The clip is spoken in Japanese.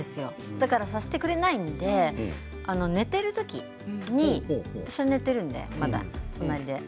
だから、させてくれないんで寝ている時に一緒に寝ているんで、まだ隣で。